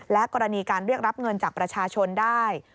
และกรณีการเรียกรับเงินจากประชาชนได้